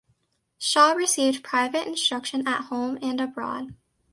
Shaw received private instruction at home and abroad.